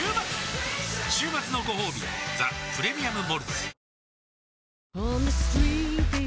週末のごほうび「ザ・プレミアム・モルツ」